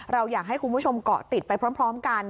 เราอยากให้คุณผู้ชมเกาะติดไปพร้อมกัน